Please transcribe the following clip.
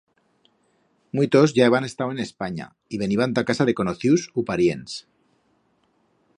Muitos ya heban estau en Espanya y veniban ta casa de conocius u parients.